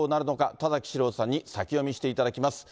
田崎史郎さんに先読みしていただきます。